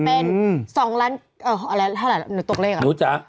อืมเป็น๒ล้านเออเอาล่ะถ้าหรืออะไรหนูตกเลขอะหนูจ๋า